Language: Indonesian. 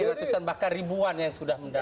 ini ratusan bahkan ribuan yang sudah mendaftar